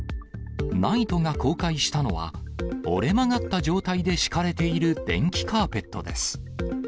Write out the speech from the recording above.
ＮＩＴＥが公開したのは、折れ曲がった状態で敷かれている電気カーペットです。